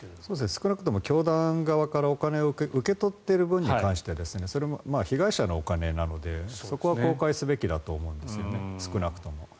少なくとも教団側からお金を受け取っている分に関してそれも被害者のお金なのでそこは公開すべきだと思うんです少なくとも。